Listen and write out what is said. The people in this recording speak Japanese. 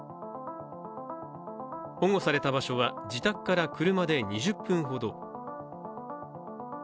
保護された場所は自宅から車で２０分ほど。